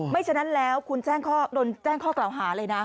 ฉะนั้นแล้วคุณโดนแจ้งข้อกล่าวหาเลยนะ